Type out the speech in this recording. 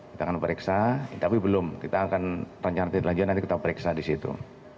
kita akan periksa tapi belum kita akan rencananya nanti kita periksa disitu